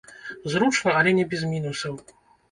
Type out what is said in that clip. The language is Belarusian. Зручна, але не без мінусаў.